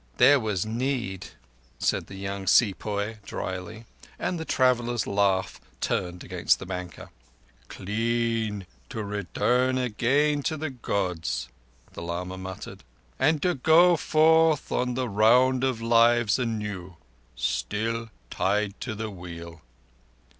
"There was need," said the young sepoy drily, and the travellers' laugh turned against the banker. "Clean—to return again to the Gods," the lama muttered. "And to go forth on the round of lives anew—still tied to the Wheel."